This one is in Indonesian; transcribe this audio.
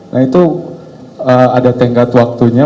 nah itu ada tenggat waktunya